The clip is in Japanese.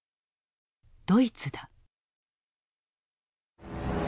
ドイツだ。